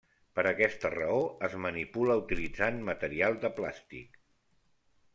Per aquesta raó, es manipula utilitzant material de plàstic.